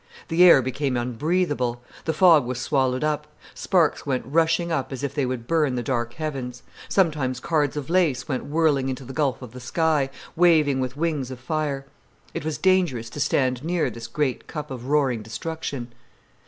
The air became unbreathable; the fog was swallowed up; sparks went rushing up as if they would burn the dark heavens; sometimes cards of lace went whirling into the gulf of the sky, waving with wings of fire. It was dangerous to stand near this great cup of roaring destruction.